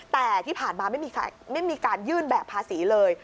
แต่ที่ผ่านมาไม่มีการยื่นแบบภาษีเลย